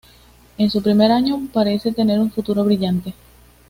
En su primer año, parece tener un futuro brillante.